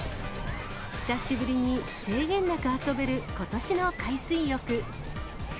久しぶりに制限なく遊べることしの海水浴。